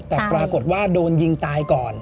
แต่ปรากฏว่าโดนยิงตายก่อน